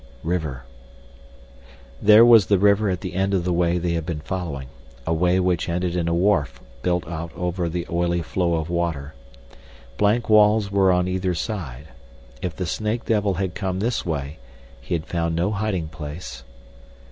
"River " There was the river at the end of the way they had been following, a way which ended in a wharf built out over the oily flow of water. Blank walls were on either side. If the snake devil had come this way, he had found no hiding place.